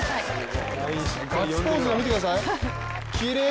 ガッツポーズ見てください